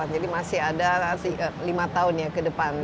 dua ribu dua puluh delapan jadi masih ada lima tahun ya ke depannya